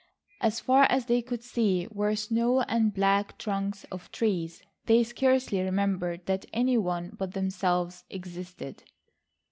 As far as they could see were snow and black trunks of trees. They scarcely remembered that any one but themselves existed.